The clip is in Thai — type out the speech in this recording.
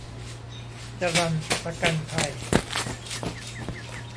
จรัญประกันภัย